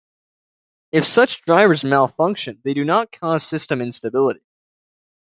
If such drivers malfunction, they do not cause system instability.